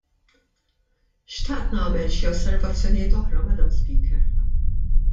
Xtaqt nagħmel xi osservazzjonijiet oħra, Madam Speaker.